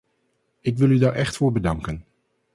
Ik wil u daar echt voor bedanken.